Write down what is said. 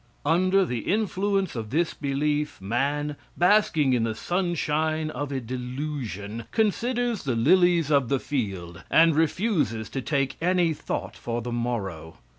Under the influence of this belief, man, basking in the sunshine of a delusion, considers the lilies of the field and refuses to take any thought for the morrow.